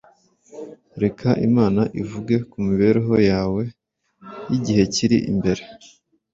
Reka Imana ivuge ku mibereho yawe y’igihe kiri imbere –